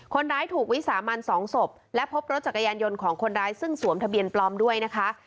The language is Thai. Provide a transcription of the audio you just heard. คนร้ายถูกวิสามันสองศพและพบรถจักรยานยนต์ของคนร้ายซึ่งสวมทะเบียนปลอมด้วยนะคะ